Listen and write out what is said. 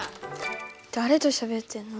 だれとしゃべってんの？